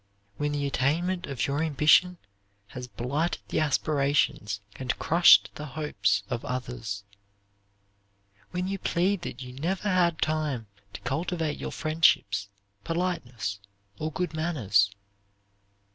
When the attainment of your ambition has blighted the aspirations and crushed the hopes of others. When you plead that you never had time to cultivate your friendships, politeness, or good manners.